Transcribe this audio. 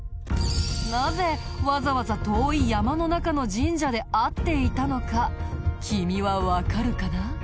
なぜわざわざ遠い山の中の神社で会っていたのか君はわかるかな？